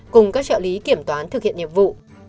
cùng các trợ lý kiểm toán thực hiện nhiệm vụ